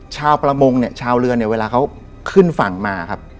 ชาวประมงชาวเรือนเวลาเขาขึ้นฝั่งมา